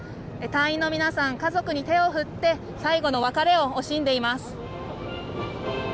隊員の皆さん、家族に手を振って最後の別れを惜しんでいます。